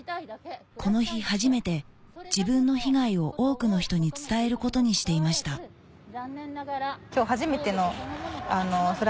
この日初めて自分の被害を多くの人に伝えることにしていました今日。